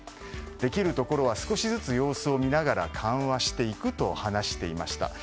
できるところは少しずつ様子を見ながら緩和していくと話していました。